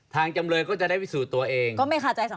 จำเลยก็จะได้พิสูจน์ตัวเองก็ไม่คาใจสำคัญ